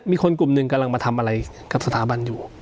มีคนกลุ่มหนึ่งกำลังมาทำอะไรกับสถาบันอยู่